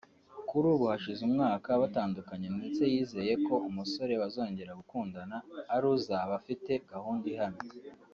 Kuri ubu hashize umwaka batandukanye ndetse yizeye ko umusore bazongera gukundana ari uzaba afite gahunda ihamye